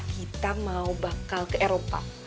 kita mau bakal ke eropa